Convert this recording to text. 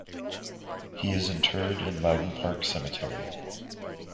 He is interred in Loudon Park Cemetery.